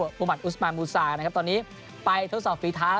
รวมมันอุสมามูซานะครับตอนนี้ไปทศฟฤทธา